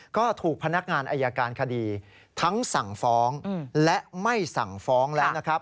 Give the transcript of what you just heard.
ก็ถูกพนักงานอายการคดีทั้งสั่งฟ้องและไม่สั่งฟ้องแล้วนะครับ